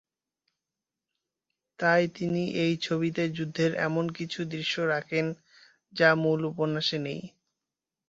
তাই তিনি এই ছবিতে যুদ্ধের এমন কিছু দৃশ্য রাখেন যা মূল উপন্যাসে নেই।